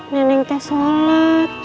neneng teh sholat